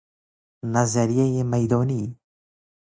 نظریه میدانی